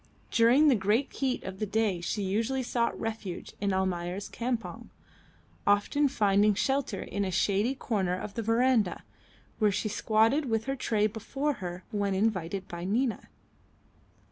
During the great heat of the day she usually sought refuge in Almayer's campong, often finding shelter in a shady corner of the verandah, where she squatted with her tray before her, when invited by Nina.